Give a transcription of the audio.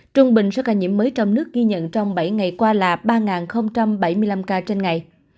trung bình số ca nhiễm mới trong nước ghi nhận trong bảy ngày qua là ba bảy mươi năm ca trên ngày